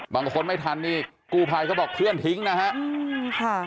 บางคนไม่ทันนี่กู้ภัยก็บอกเคลื่อนทิ้งนะครับ